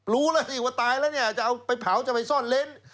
รู้แล้วสิว่าตายแล้วเนี่ยจะเอาไปเผาจะไปซ่อนเล้น